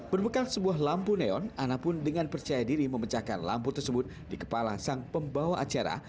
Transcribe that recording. berbekal sebuah lampu neon ana pun dengan percaya diri memecahkan lampu tersebut di kepala sang pembawa acara